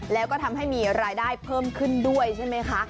แล้วก็ทำให้มีรายได้เพิ่มขึ้นด้วยใช่ไหมคะ